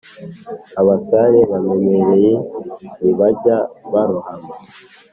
abasare bamenyereye ntibajya barohama